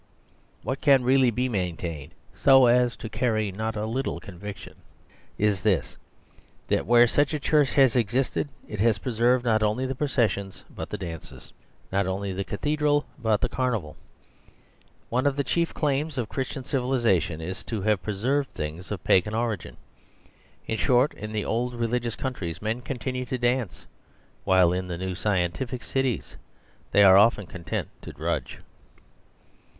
What can really be maintainedy so as to carry not a little conviction, is this: that where such a Church has existed it has preserved not only the processions but the dances; not only the cathedral but the car 88 The Superstition of Divorce nival. One of the chief claims of Christian civilisation is to have preserved things of pagan origin. In short, in the old religious countries men continue to dance; while in the new scientific cities they are often content to drudge.